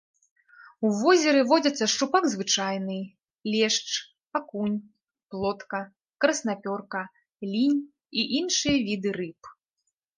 У возеры водзяцца шчупак звычайны, лешч, акунь, плотка, краснапёрка, лінь і іншыя віды рыб.